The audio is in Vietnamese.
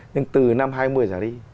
nhưng từ năm hai nghìn hai mươi ra đi